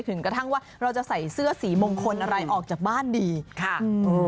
เป็นเทรนด์หรืออะไรไม่รู้ครับ